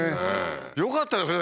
よかったですね